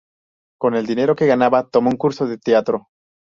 Con el dinero que ganaba, tomó un curso de teatro.